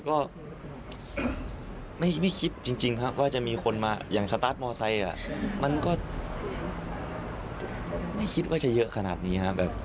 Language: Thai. ก็ไม่คิดจริงครับว่าจะมีคนมาอย่างสตาร์ทมอไซค์มันก็ไม่คิดว่าจะเยอะขนาดนี้ครับ